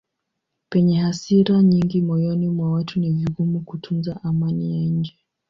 Penye hasira nyingi moyoni mwa watu ni vigumu kutunza amani ya nje.